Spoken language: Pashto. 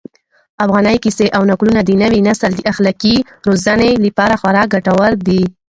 افغاني کيسې او نکلونه د نوي نسل د اخلاقي روزنې لپاره خورا ګټور دي.